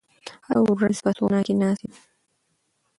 زه هره ورځ په سونا کې نه ناست یم.